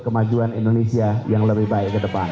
kemajuan indonesia yang lebih baik ke depan